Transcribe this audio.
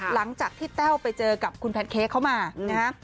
หลังจากที่แต้วไปเจอกับคุณแพนเค้กเขามานะฮะ